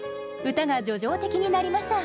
歌が叙情的になりました